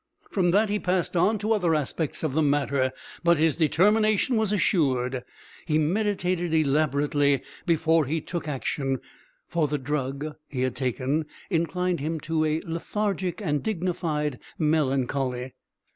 From that he passed to other aspects of the matter, but his determination was assured. He meditated elaborately before he took action, for the drug he had taken inclined him to a lethargic and dignified melancholy.